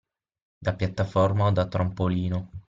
Da piattaforma o da trampolino.